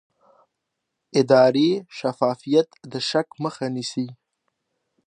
اداري شفافیت د شک مخه نیسي